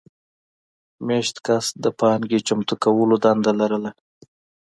مېشت کس د پانګې چمتو کولو دنده لرله.